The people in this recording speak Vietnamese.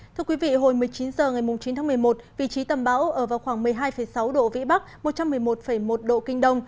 thưa quý vị hồi một mươi chín h ngày chín tháng một mươi một vị trí tầm bão ở vào khoảng một mươi hai sáu độ vĩ bắc một trăm một mươi một một độ kinh đông